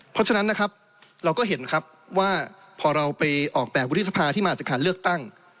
เพราะฉะนั้นนะครับเราก็เห็นครับว่าพอเราไปออกแบบวุฒิสภาที่มาจากการเลือกตั้ง